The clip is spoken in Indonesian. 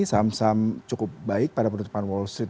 saham saham cukup baik pada penutupan wall street